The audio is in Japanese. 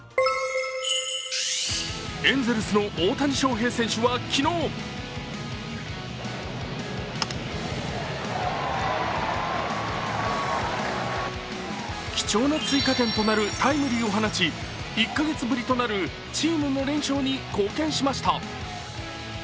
エンゼルスの大谷翔平選手は昨日貴重な追加点となるタイムリーを放ち、１カ月ぶりとなるチームの連勝に貢献しました。